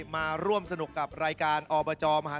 แม่จ๋า